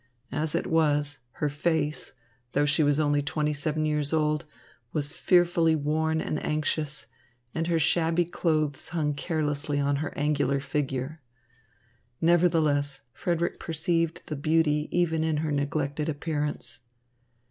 As it was, her face, though she was only twenty seven years old, was fearfully worn and anxious, and her shabby clothes hung carelessly on her angular figure. Nevertheless, Frederick perceived the beauty even in her neglected appearance.